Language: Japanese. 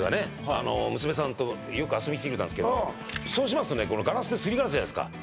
あの娘さんとよく遊びに来てくれたんですけどそうしますとねこのガラスですりガラスじゃないですか